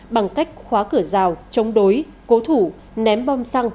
bằng cách khóa cửa rào chống đối cố thủ ném bom xăng